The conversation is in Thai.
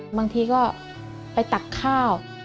บางทีก็ไปตักข้าว